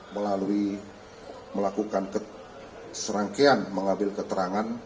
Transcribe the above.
melalui melakukan serangkaian mengambil keterangan